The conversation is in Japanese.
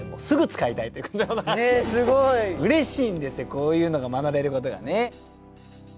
こういうのが学べることがね。